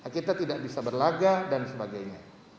kita tidak bisa berlaga dan sebagainya